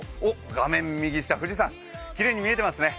画面右下の富士山、きれいに見えていますね